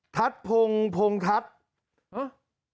ทัศพงศ์พงศ์ทัศน์